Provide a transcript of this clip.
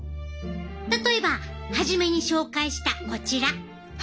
例えば初めに紹介したこちら。